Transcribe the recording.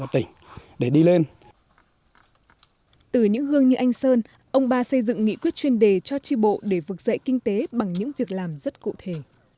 từ những gương như anh sơn ông ba xây dựng nghị quyết chuyên đề cho tri bộ để vực dậy kinh tế bằng những việc làm rất cụ thể